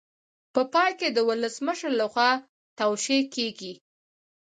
په پای کې د ولسمشر لخوا توشیح کیږي.